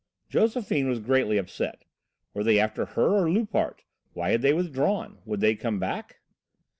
Josephine was greatly upset. Were they after her or Loupart? Why had they withdrawn? Would they come back?